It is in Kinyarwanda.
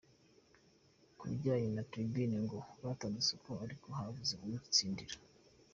Ku bijyanye na Tribune ngo batanze isoko ariko habuze uritsindira.